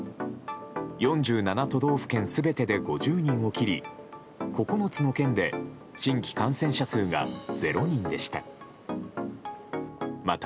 ４７都道府県全てで５０人を切り９つの県で新規感染者数が０人でした。